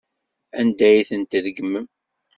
Anda ay ten-tregmem?